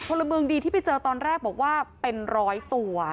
พลเมืองดีที่ไปเจอตอนแรกบอกว่าเป็นร้อยตัว